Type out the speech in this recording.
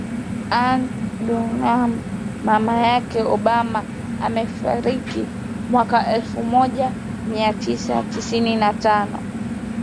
Ann Dunham mama yake Obama amefariki mwaka elfu moja mia tisa tisini na tano